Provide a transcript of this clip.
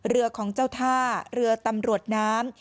เรือของเจ้าท่าเรือตำรวจน้ำ